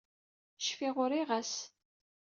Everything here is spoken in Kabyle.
Cfiɣ uriɣ-as.